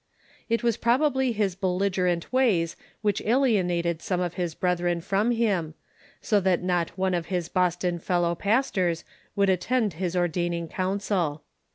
It was proba bly his belligerent ways which alienated some of his brethren from him, so that not one of his Boston fellow pastors would attend his ordaining council.